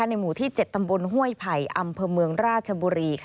หมู่ที่๗ตำบลห้วยไผ่อำเภอเมืองราชบุรี